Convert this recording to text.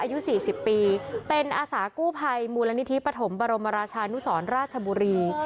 อายุ๔๐ปีเป็นอาสากู้ภัยมูลนิธิปฐมบรมราชานุสรราชบุรี